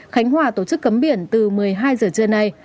khánh hòa tổ chức cấm biển từ một mươi hai giờ trưa nay